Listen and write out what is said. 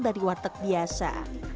dari warteg biasa